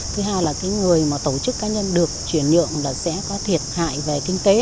thứ hai là người tổ chức cá nhân được chuyển nhượng sẽ có thiệt hại về kinh tế